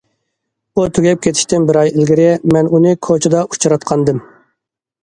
ئۇ تۈگەپ كېتىشتىن بىر ئاي ئىلگىرى مەن ئۇنى كوچىدا ئۇچراتقانىدىم.